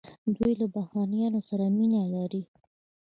دوی له بهرنیانو سره مینه لري.